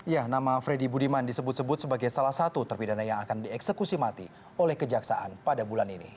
ya nama freddy budiman disebut sebut sebagai salah satu terpidana yang akan dieksekusi mati oleh kejaksaan pada bulan ini